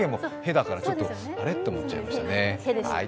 だからちょっと、あれって思っちゃいましたね。